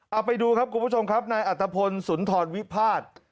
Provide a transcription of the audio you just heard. เอาไปดูครับคุณผู้ชมครับนายอัตภพลสุนทรวิพาท